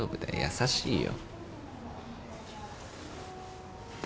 優しいよ。